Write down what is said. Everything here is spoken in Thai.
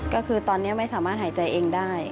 ก็คือตอนนี้ไม่สามารถหายใจเองได้